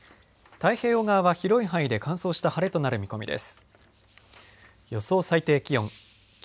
太平洋側は広い範囲で乾燥した晴れとなる見込みです。